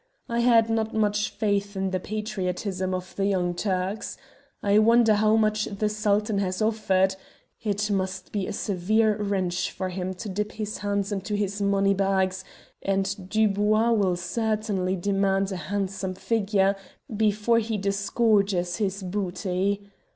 "I had not much faith in the patriotism of the Young Turks. I wonder how much the Sultan has offered. It must be a severe wrench for him to dip his hands into his money bags, and Dubois will certainly demand a handsome figure before he disgorges his booty.